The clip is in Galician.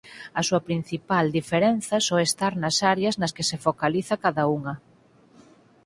A súa principal diferenza soe estar nas áreas nas que se focaliza cada unha.